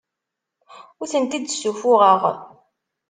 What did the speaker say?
Ur tent-id-ssuffuɣeɣ.